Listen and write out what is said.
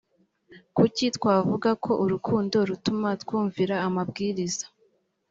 kuki twavuga ko urukundo rutuma twumvira amabwiriza